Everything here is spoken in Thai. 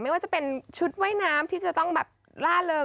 ไม่ว่าจะเป็นชุดว่ายน้ำที่จะต้องแบบล่าเริง